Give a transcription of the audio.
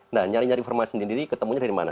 nah nyari nyari informasi sendiri ketemunya dari mana